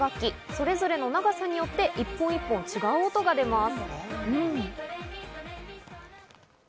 それぞれの長さによって一本一本、違う音が出ます。